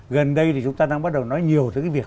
gần đây thì chúng ta đang bắt đầu nói nhiều tới cái việc